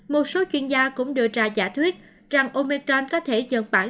một số chuyên gia cũng đưa ra giả thuyết rằng omicron có thể dần bản